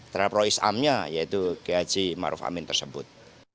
terhadap pro islamnya yaitu kiai haji ma'ruf amin tersebut